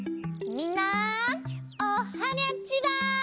みんなおっはにゃちは！